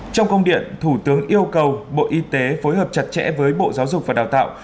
trong công điện thủ tướng yêu cầu bộ y tế phối hợp chặt chẽ với bộ giáo dục và đào tạo